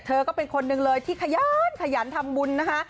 เธอก็เป็นคนหนึ่งเลยที่ขยันขยันทำบุญนะคะ